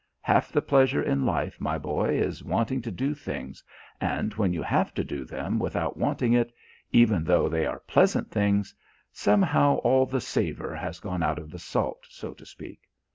Half the pleasure in life, my boy, is wanting to do things, and when you have to do them without wanting it, even though they are pleasant things, somehow all the savour has gone out of the salt, so to speak.